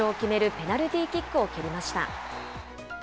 ペナルティーキックを決めました。